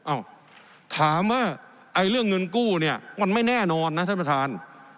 ถามว่าไอ้เรื่องเงินกู้เนี่ยมันไม่แน่นอนนะท่านประธาน